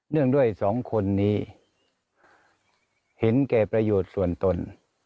งด้วยสองคนนี้เห็นแก่ประโยชน์ส่วนตน